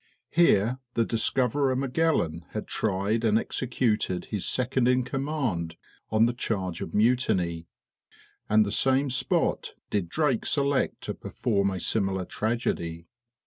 Here the discoverer Magellan had tried and executed his second in command on the charge of mutiny, and the same spot did Drake select to perform a similar tragedy.